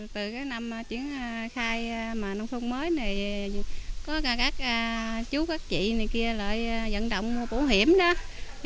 từ năm chuyển khai nông thôn mới này có các chú các chị này kia lại dẫn động bảo hiểm đó